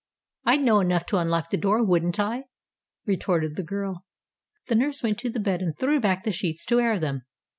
"I'd know enough to unlock the door, wouldn't I?" retorted the girl. The nurse went to the bed and threw back the sheets to air them.